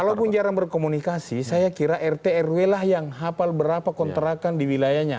kalaupun jarang berkomunikasi saya kira rt rw lah yang hafal berapa kontrakan di wilayahnya